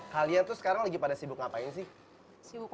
kalian tuh sekarang lagi pada sibuk ngapain sih